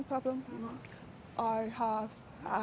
saya mempunyai masalah dengar